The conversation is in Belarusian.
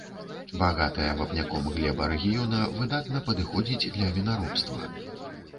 Багатая вапняком глеба рэгіёна выдатна падыходзіць для вінаробства.